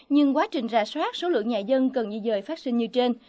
nhưng quá trình rà soát số lượng nhà dân cần di dời phát sinh như trên